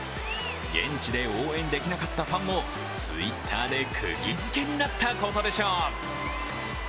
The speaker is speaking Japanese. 現地で応援できなかったファンもＴｗｉｔｔｅｒでくぎづけになったことでしょう。